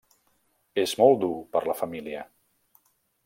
És molt dur per la família.